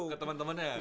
ke temen temennya ya